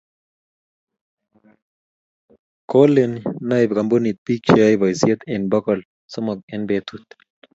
koleni noe kampunit biik che yoe boisie eng bokol somok eng betuu.